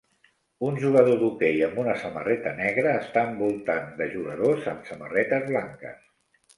Un jugador d'hoquei amb una samarreta negra està envoltant de jugadors amb samarretes blanques.